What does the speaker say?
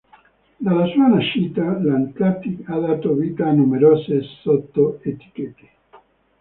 Dalla sua nascita, la Atlantic ha dato vita a numerose sotto-etichette.